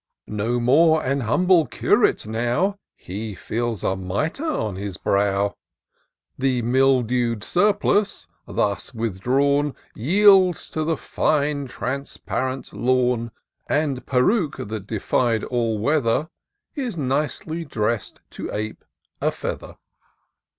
No more an humble curate now. He feels a mitre on his brow: The mildew'd surplice, thus withdrawn. Yields to the fine transparent lawn. And peruke, that defied all weather. Is nicely dress'd to ape a feather.